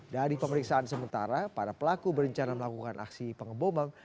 dari pemeriksaan sementara para pelaku berencana melakukan aksi pengeboman